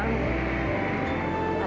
kamu mau ke rumah